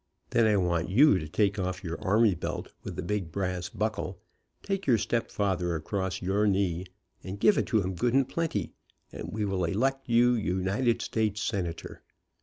Then I want you to take off your army belt with the big brass buckle, take your stepfather across your knee, and give it to him good and plenty, and we will elect you United States senator.